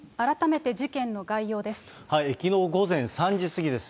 きのう午前３時過ぎです。